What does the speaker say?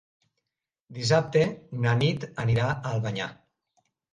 Dissabte na Nit anirà a Albanyà.